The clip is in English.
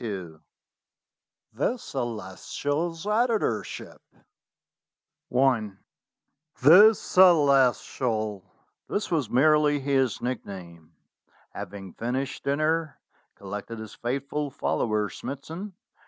XXII THE CELESTIAL'S EDITORSHIP THE Celestial (this was merely his nickname), having finished dinner, collected his faithful follower Smithson.